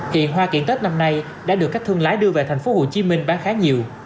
hiện hoa kiện tết năm nay đã được các thương lái đưa về thành phố hồ chí minh bán khá nhiều